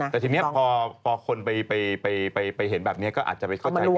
แต่ทีนี้พอคนไปเห็นแบบนี้ก็อาจจะไปเข้าใจว่า